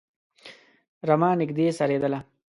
رمه نږدې څرېدله.